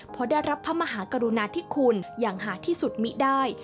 เพราะได้รับพระมหากรุณาธิคุณอย่างหาที่สุดมิได้